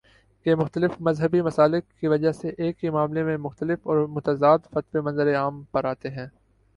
کہ مختلف مذہبی مسالک کی وجہ سے ایک ہی معاملے میں مختلف اور متضاد فتوے منظرِ عام پر آتے ہیں